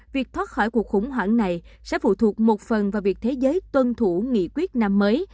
việc thoát khỏi cuộc khủng hoảng này sẽ phụ thuộc một phần vào việc thế giới tuân thủ nghị quyết năm mới